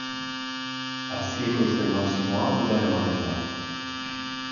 Hazi ekoizpen maximoa udan ematen da.